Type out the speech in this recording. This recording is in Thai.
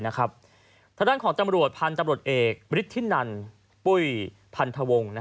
ทางด้านของตำรวจพันธุ์ตำรวจเอกฤทธินันปุ้ยพันธวงศ์